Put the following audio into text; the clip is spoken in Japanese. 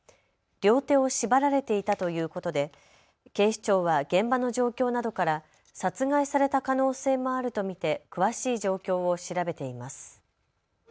両手を縛られていたということで警視庁は現場の状況などから殺害された可能性もあると見て詳しい状況を調べています。